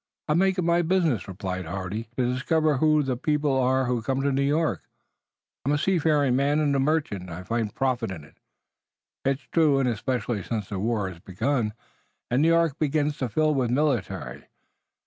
"I make it my business," replied Hardy, "to discover who the people are who come to New York. I'm a seafaring man and a merchant and I find profit in it. It's true, in especial, since the war has begun, and New York begins to fill with the military.